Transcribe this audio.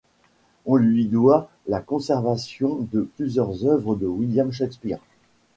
On lui doit la conservation de plusieurs œuvres de William Shakespeare.